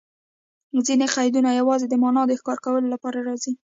ځیني قیدونه یوازي د مانا د ښکاره کولو له پاره راځي.